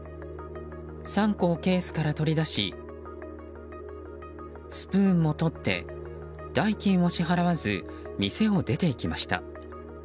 ３個をケースから取り出しスプーンもとって代金を支払わず店を出て行きました。